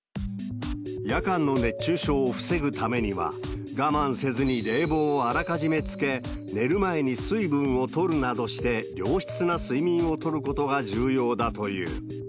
夜間の熱中症を防ぐためには、我慢せずに冷房をあらかじめつけ、寝る前に水分をとるなどして、良質な睡眠を取ることが重要だという。